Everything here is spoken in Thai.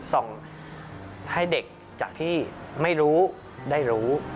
ส่งให้เด็กจากที่ไม่รู้ได้รู้